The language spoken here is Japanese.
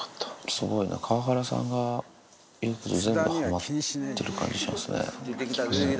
すごいな、川原さんが言うこと全部はまってる感じしますね。